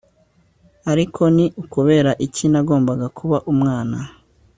ariko ni ukubera iki nagombaga kuba umwana